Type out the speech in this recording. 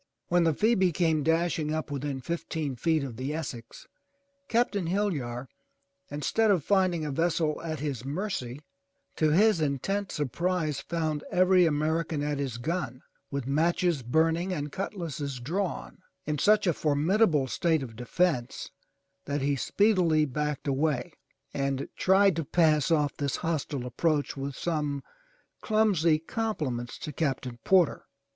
When the Phoebe came dashing up within fifteen feet of the Essex, Captain Hillyar, instead of finding a vessel at his mercy, to his intense surprise, found every American at his gun, with matches burning and cutlasses drawn, in such a formidable state of defence that he speedily backed away, and tried to pass off his hostile approach with some clumsy compliments to Captain Porter.